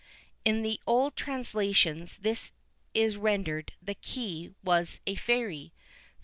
In the old translations this is rendered "the key was a fairy."